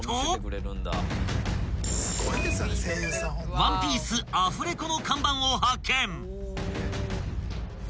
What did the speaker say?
［『ワンピース』アフレコの看板を発見］